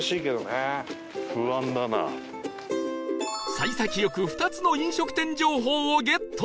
幸先良く２つの飲食店情報をゲット